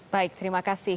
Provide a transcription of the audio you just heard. baik terima kasih